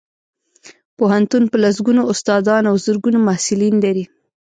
پوهنتون په لسګونو استادان او زرګونه محصلین لري